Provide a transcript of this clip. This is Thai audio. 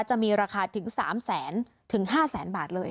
จะมีราคาถึง๓แสนถึง๕แสนบาทเลย